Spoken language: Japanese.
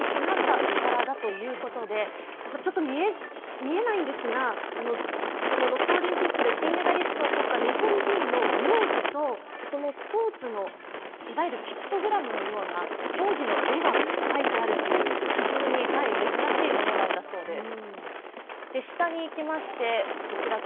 見えないんですが、ロスオリンピックで金メダルを取った日本人の名字と、そのスポーツのいわゆるピクトグラムのような競技の絵が描いてあるという非常に珍しいものなんだそうです。